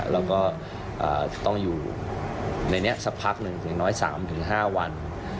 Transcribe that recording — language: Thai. แล้วก็จะต้องอยู่ในนี้สักพักหนึ่งอย่างน้อย๓๕วัน